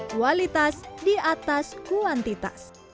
kualitas di atas kuantitas